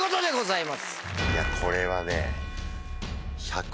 いやこれはね。